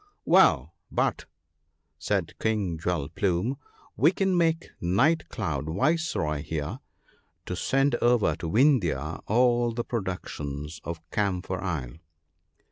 "Well, but," said King Jewel plume, "we can make Night cloud viceroy here, to send over to Vindhya all the productions of Camphor isle